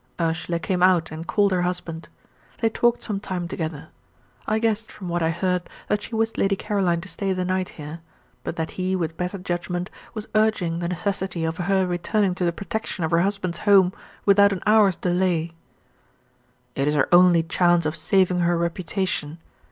Ursula came out and called her husband. They talked some time together. I guessed, from what I heard, that she wished Lady Caroline to stay the night here, but that he with better judgment was urging the necessity of her returning to the protection of her husband's home without an hour's delay. "It is her only chance of saving her reputation.